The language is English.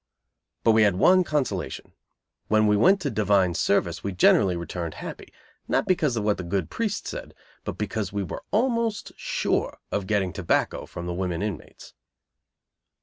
But we had one consolation. When we went to divine service we generally returned happy; not because of what the good priest said, but because we were almost sure of getting tobacco from the women inmates.